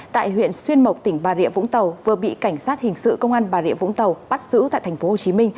tại huyện xuyên mộc tỉnh bà rịa vũng tàu vừa bị cảnh sát hình sự công an bà rịa vũng tàu bắt giữ tại tp hcm